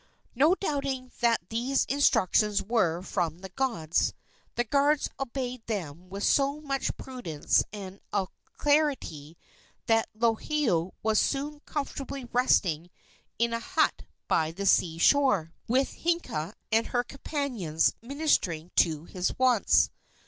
Not doubting that these instructions were from the gods, the guards obeyed them with so much prudence and alacrity that Lohiau was soon comfortably resting in a hut by the sea shore, with Hiiaka and her companions ministering to his wants.